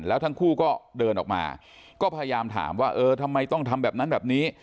แล้วทั้งคู่ก็เดินออกมาก็พยายามถามว่าเออทำไมต้องทำแบบนั้นแบบนี้